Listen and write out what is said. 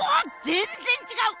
全然違う！